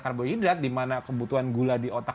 karbohidrat dimana kebutuhan gula di otak